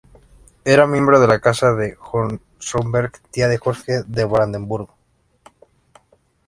Era miembro de la Casa de los Hohenzollern, tía de Jorge de Brandenburgo.